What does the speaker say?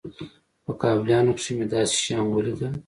په کابليانو کښې مې داسې شيان وليدل.